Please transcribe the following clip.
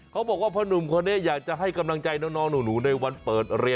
เขาบอกว่าพ่อนุ่มคนนี้อยากจะให้กำลังใจน้องหนูในวันเปิดเรียน